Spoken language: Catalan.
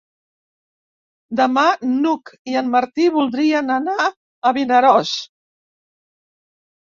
Demà n'Hug i en Martí voldrien anar a Vinaròs.